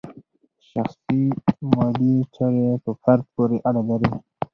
شخصي مالي چارې په فرد پورې اړه لري.